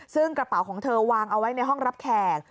ซึ่งกระเป๋าของเธอวางเอาไว้ในห้องรับแขก